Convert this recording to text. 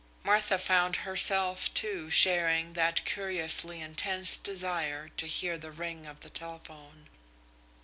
Martha found herself, too, sharing that curiously intense desire to hear the ring of the telephone.